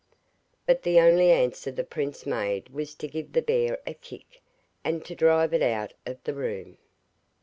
But the only answer the prince made was to give the bear a kick, and to drive it out of the room.